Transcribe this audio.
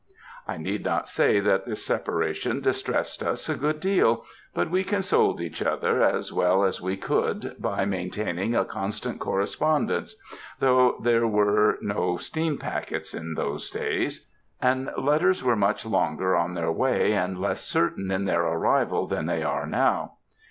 I need not say that this separation distressed us a good deal, but we consoled each other as well as we could by maintaining a constant correspondence; though there were no steam packets in those days, and letters were much longer on their way and less certain in their arrival than they are now.